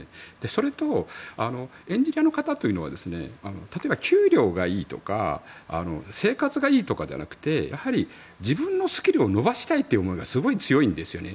それとエンジニアの方というのは例えば給料がいいとか生活がいいとかではなくて自分のスキルを伸ばしたいという思いがすごい強いんですよね。